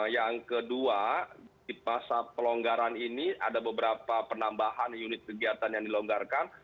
yang kedua di masa pelonggaran ini ada beberapa penambahan unit kegiatan yang dilonggarkan